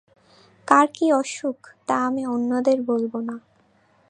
কার কি অসুখ তা আমি অন্যদের বলব না।